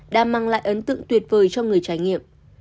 đã mang lại ấn tượng tuyệt vời cho người trải nghiệm